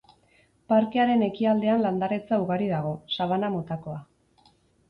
Parkearen ekialdean landaretza ugari dago, sabana-motakoa.